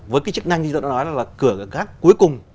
với cái chức năng như tôi đã nói là cửa gác cuối cùng